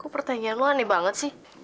kok pertanyaan lo aneh banget sih